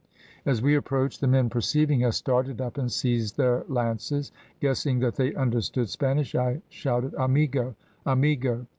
As we approached, the men perceiving us, started up and seized their lances. Guessing that they understood Spanish, I shouted `Amigo! amigo!'